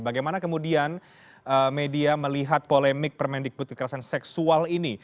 bagaimana kemudian media melihat polemik permendikbud kekerasan seksual ini